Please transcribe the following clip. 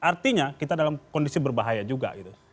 artinya kita dalam kondisi berbahaya juga gitu